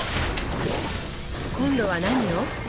今度は何を？